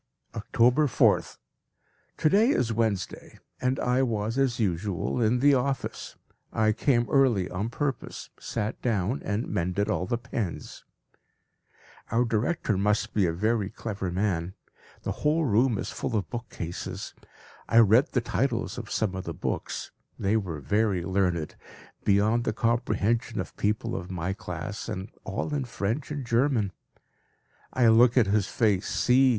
October 4th. To day is Wednesday, and I was as usual in the office. I came early on purpose, sat down, and mended all the pens. Our director must be a very clever man. The whole room is full of bookcases. I read the titles of some of the books; they were very learned, beyond the comprehension of people of my class, and all in French and German. I look at his face; see!